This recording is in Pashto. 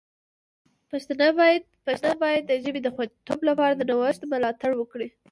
پښتانه باید د ژبې د خوندیتوب لپاره د نوښت ملاتړ وکړي.